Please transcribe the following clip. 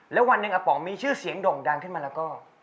แล้ววันหนึ่งอาป๋องมีชื่อเสียงด่งดังขึ้นมาแล้วก็